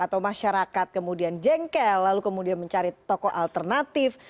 atau masyarakat kemudian jengkel lalu kemudian mencari tokoh alternatif